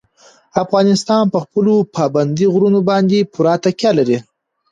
افغانستان په خپلو پابندي غرونو باندې پوره تکیه لري.